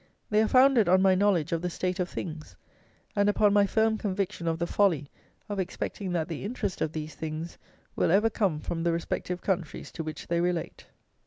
They are founded on my knowledge of the state of things, and upon my firm conviction of the folly of expecting that the interest of these things will ever come from the respective countries to which they relate.